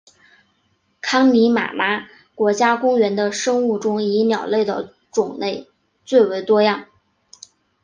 康尼玛拉国家公园的生物中以鸟类的种类最为多样。